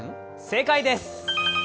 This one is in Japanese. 正解です。